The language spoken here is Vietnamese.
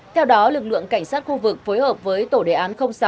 theo đó lực lượng cảnh sát khu vực phối hợp với tổ đề án sáu